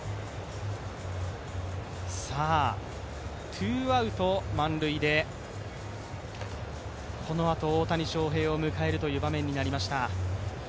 ツーアウト満塁でこのあと大谷翔平を迎えるという場面になりました。